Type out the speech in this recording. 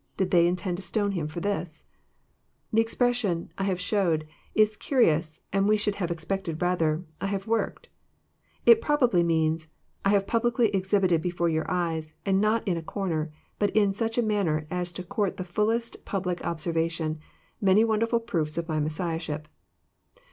Did they intend to stone him for thisf The expression, << I have shewed," is cnrious, and we should have expected rather, '* I have worked." It probably means, I have publicly exhibited before your eyes, and not in a cor ner, but in such a manner as to court the fullest public obser vation, many wonderful proofe of my Messiahship."